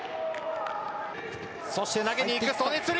そして、投げに行く袖釣り！